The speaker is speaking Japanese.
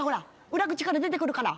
裏口から出てくるから。